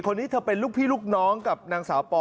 เธอเป็นลูกพี่ลูกน้องกับนางสาวปอ